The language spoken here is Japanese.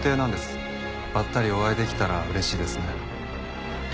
ばったりお会いできたら嬉しいですね。